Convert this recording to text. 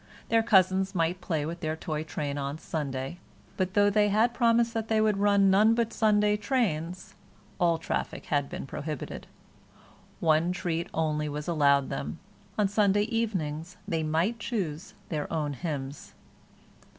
Their cousins might play with their toy train on Sunday, but though they had promised that they would run none but Sunday trains, all traffic had been prohibited. One treat only was allowed them—on Sunday evenings they might choose their own hymns.